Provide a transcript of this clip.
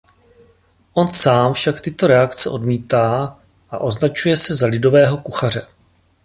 On sám však tyto reakce odmítá a označuje se za „lidového kuchaře“.